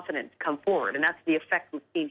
พระมนุษย์ครับต้องเปิดเชนมัน